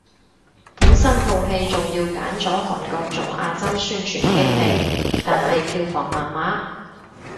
本身套戲仲要揀咗韓國做亞洲宣傳基地，但係票房麻麻